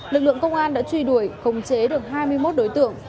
lực lượng công an đã truy đuổi khống chế được hai mươi một đối tượng